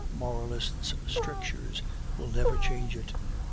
Moralists' strictures will never change it.